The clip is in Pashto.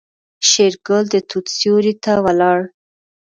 شېرګل د توت سيوري ته ولاړ.